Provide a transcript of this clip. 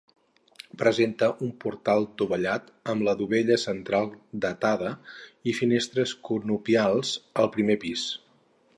Presenta un portal dovellat amb la dovella central datada i finestres conopials al primer pis.